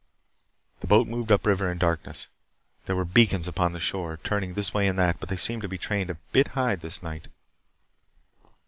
The boat moved up river in darkness. There were beacons upon the shore, turning this way and that, but they seemed to be trained a bit high this night.